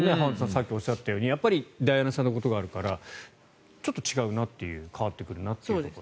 さっきおっしゃったようにダイアナさんのことがあるからちょっと違うなという変わってくるなという。